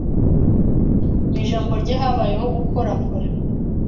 Mu ijambo rye habayeho gukorakora